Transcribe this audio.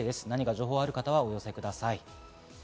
情報がある方はお寄せください。